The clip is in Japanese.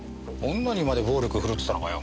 女にまで暴力振るってたのかよ